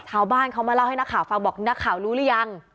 ชาวบ้านเขามาเล่าให้นักข่าวฟังบอกนักข่าวรู้หรือยัง